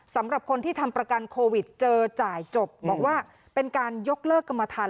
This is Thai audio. สำหรับคนที่ทำประกันโควิดเจอจ่ายจบบอกว่าเป็นการยกเลิกกรรมทัน